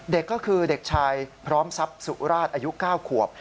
เด็กก็คือเด็กชายพร้อมทรัพย์สุราชอายุ๙ขวบ